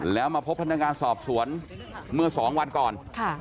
แล้วมาพบพนักงานสอบสวนเมื่อ๒วันก่อน